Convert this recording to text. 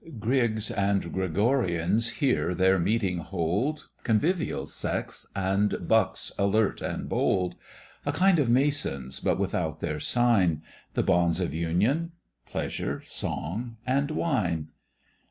Griggs and Gregorians here their meeting hold, Convivial Sects, and Bucks alert and bold; A kind of Masons, but without their sign; The bonds of union pleasure, song, and wine.